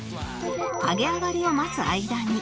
揚げ上がりを待つ間に